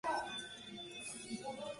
Pertenecía a la dinastía Valois.